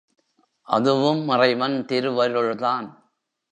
அதுவும் இறைவன் திருவருள்தான்.